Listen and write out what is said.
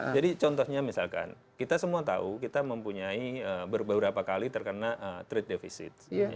jadi contohnya misalkan kita semua tahu kita mempunyai berbeberapa kali terkena trade defisit